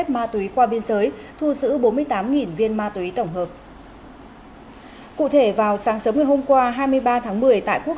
một cách công khai minh bạch